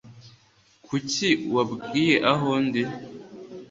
Kuki wabwiye aho ndi?